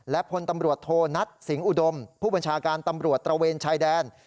และพลตำรวจโทนัทสิงหุดมผู้บัญชาการตำรวจตระเวนชายแดน